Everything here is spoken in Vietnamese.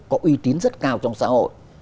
có uy tín rất cao trong xã hội